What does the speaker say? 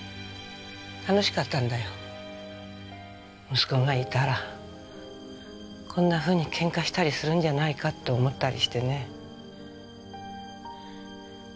息子がいたらこんなふうにケンカしたりするんじゃないかって思ったりしてね。